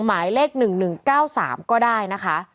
หมายเลข๑๑๙๓ก็ได้นะคะ